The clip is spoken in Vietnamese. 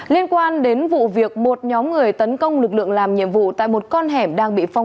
liên quan đến vụ việc một nhóm người tấn công lực lượng làm nhiệm vụ tại một con hẻm đang bị phong